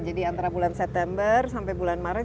jadi antara bulan september sampai bulan maret